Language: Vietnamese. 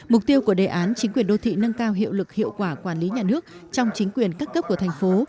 mục tiêu của đề án chính quyền đô thị nâng cao hiệu lực hiệu quả quản lý nhà nước trong chính quyền các cấp của thành phố